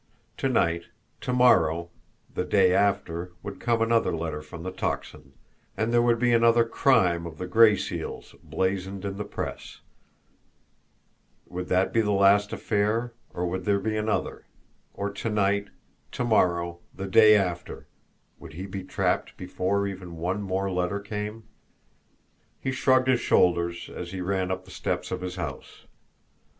To night, to morrow, the day after, would come another letter from the Tocsin, and there would be another "crime" of the Gray Seal's blazoned in the press would that be the last affair, or would there be another or to night, to morrow, the day after, would he be trapped before even one more letter came! He shrugged his shoulders, as he ran up the steps of his house.